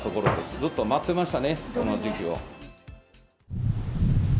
ずっと待ってましたね、この時期を。